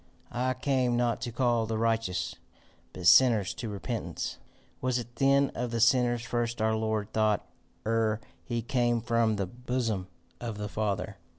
"I came not to call the righteous, but sinners to repentance." "Was it then of the sinners first our Lord thought ere he came from the bosom of the Father?